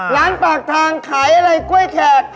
ปากทางขายอะไรกล้วยแขก